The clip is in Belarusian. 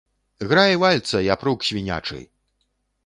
Грай вальца, япрук свінячы!